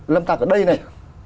lâm tặc ở đây này